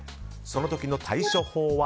その時の対処法は？